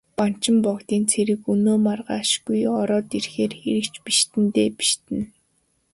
Банчин богдын цэрэг өнөө маргаашгүй ороод ирэхээр хэрэг ч бишиднэ дээ, бишиднэ.